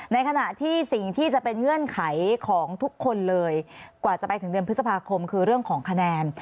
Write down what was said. ในขณะที่สิ่งที่จะเป็นเงื่อนไขของทุกคนเลยกว่าจะไปถึงเดือนพฤษภาคมคือเรื่องของคะแนน